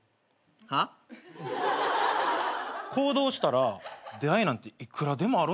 行動したら出会いなんていくらでもあるんやってさ。